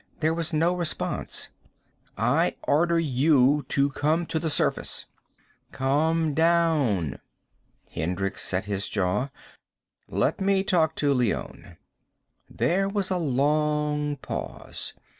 There was no response. "I order you to come to the surface." "Come down." Hendricks set his jaw. "Let me talk to Leone." There was a long pause.